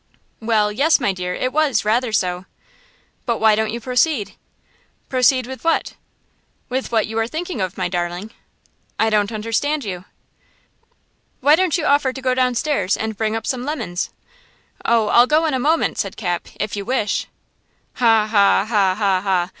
"Well, yes, my dear, it was, rather so. But why don't you proceed?" "Proceed–with what?" "With what you are thinking of, my darling." "I don't understand you!" "Why don't you offer to go down stairs and bring up some lemons?" "Oh, I'll go in a moment," said Cap, "if you wish." "Ha–ha–ha–ha–ha!